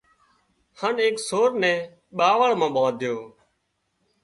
هانَ ايڪ سور نين ٻاوۯ مان ٻانڌيو